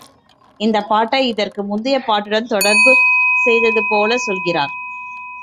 இந்தப் பாட்டை இதற்கு முந்திய பாட்டுடன் தொடர்பு செய்தது போலச் சொல்கிறார்.